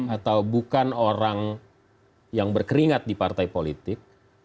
atau bukan orang yang berkeringat di partai politik